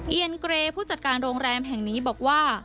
เอียนเกรผู้จัดการโรงแรมแห่งนี้บอกว่า